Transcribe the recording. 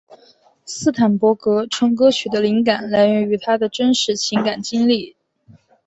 斯坦伯格称歌曲的灵感来源于他的真实情感经历。